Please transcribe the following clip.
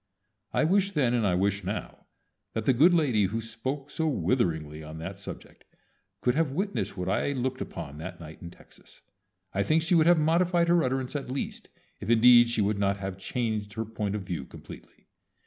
I wished then and I wish now that the good lady who spoke so witheringly on that subject could have witnessed what I looked upon that night in Texas. I think she would have modified her utterance at least, if indeed she would not have changed her point of view completely.